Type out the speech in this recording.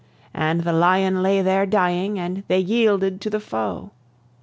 And the lion there lay dying, and they yielded to the foe.